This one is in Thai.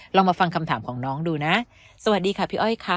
ลองมาฟังคำถามของน้องดูนะสวัสดีค่ะพี่อ้อยค่ะ